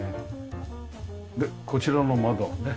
でこちらの窓はね